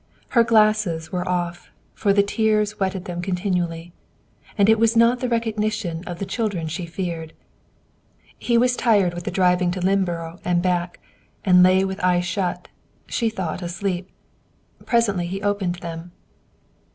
Her glasses were off, for the tears wetted them continually; and it was not the recognition of the children she feared. He was tired with the drive to Lynneborough and back, and lay with eyes shut; she thought asleep. Presently he opened them.